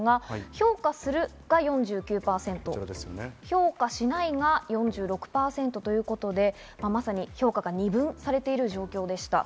評価するが４９％、評価しないが４６％ということで、まさに評価が二分されている状況でした。